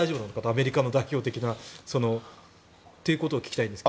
アメリカの代表的な。ということを聞きたいんですが。